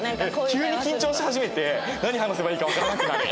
急に緊張し始めて何話せばいいかわからなくなる。